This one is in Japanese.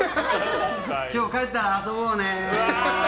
今日帰ったら遊ぼうね！